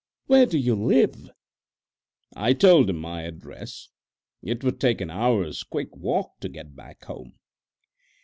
Where do you live?" I told him my address. It would take an hour's quick walk to get back home.